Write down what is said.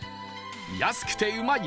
安くてうまい！